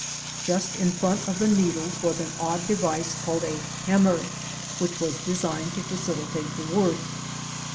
Just in front of the needles was an odd device called a "hem mer" which was designed to facilitate the work.